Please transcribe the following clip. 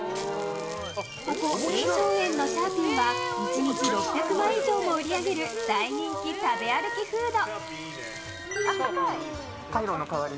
ここ、永昌園のシャーピンは１日６００枚以上も売り上げる大人気食べ歩きフード。